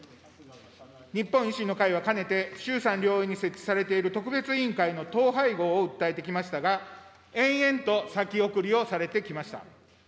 日本維新の会はかねて、衆参両院に設置されている特別委員会の統廃合を訴えてきましたが、延々と先送りをされてきました。